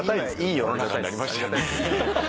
いい世の中になりましたよね。